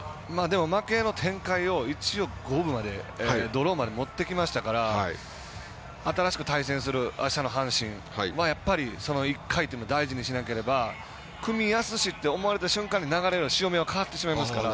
負けの展開を五分までドローまで持ってきましたから新しく対戦するあしたの阪神は１回というのを大事にしなければくみやすしって思われた瞬間に流れの潮目は変わってしまいますから。